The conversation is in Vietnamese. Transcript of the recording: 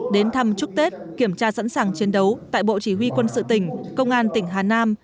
đến thăm chúc tết kiểm tra sẵn sàng chiến đấu tại bộ chỉ huy quân sự tỉnh công an tỉnh hà nam